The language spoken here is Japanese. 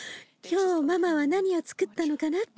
「今日ママは何をつくったのかな？」